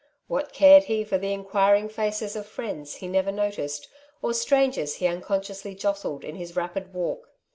What cared he for the inquiring faces of friends he never noticed, or strangers he unconsciously jostled in his rapid walk